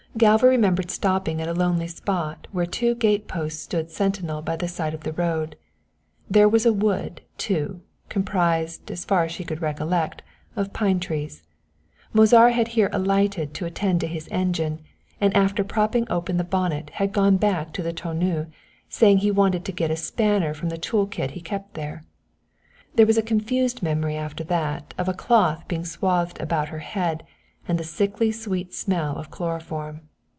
Galva remembered stopping at a lonely spot where two gate posts stood sentinel by the side of the road. There was a wood, too, comprised, as far as she could recollect, of pine trees. Mozara had here alighted to attend to his engine, and after propping open the bonnet had gone back to the tonneau, saying he wanted to get a spanner from the tool bag he kept there. There was a confused memory after that of a cloth being swathed about her head and the sickly sweet smell of chloroform.